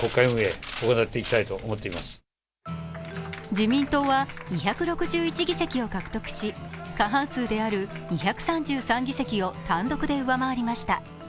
自民党は２６１議席を獲得し、過半数である２３３議席を単独で上回りました。